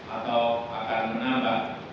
atau akan menambah